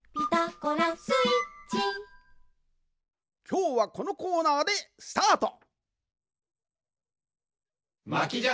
きょうはこのコーナーでスタート！